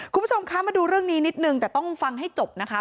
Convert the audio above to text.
คุณผู้ชมคะมาดูเรื่องนี้นิดนึงแต่ต้องฟังให้จบนะคะ